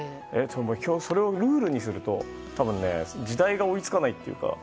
それをルールにすると多分時代が追い付かないっていうか。